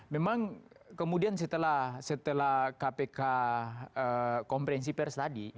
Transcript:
memang kemudian setelah kpk komprehensi pers tadi